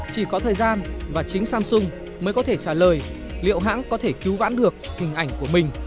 chỉ có thời gian và chính samsung mới có thể trả lời liệu hãng có thể cứu vãn được hình ảnh của mình